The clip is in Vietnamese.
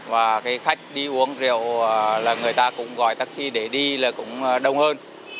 và cái khách đi uống rượu là người ta cũng gọi taxi để đi là cũng đông hơn